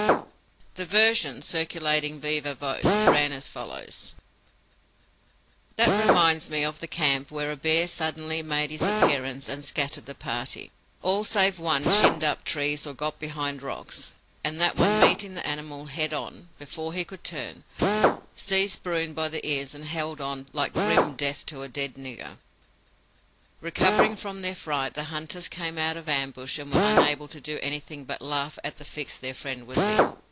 The version, circulating viva voce, ran as follows: "That reminds me of the camp where a bear suddenly made his appearance and scattered the party. All save one shinned up trees, or got behind rocks, and that one meeting the animal head on, before he could turn, seized bruin by the ears and held on 'like grim death to a dead nigger.' "Recovering from their fright the hunters came out of ambush and were unable to do anything but laugh at the fix their friend was in.